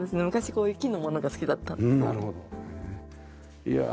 昔こういう木のものが好きだったんですよ。